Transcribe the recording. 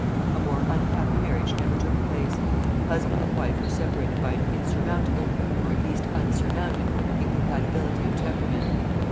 A more unhappy marriage never took place. Husband and wife were separated by an insurmountable (or at least unsurmounted) incompatibility of temperament.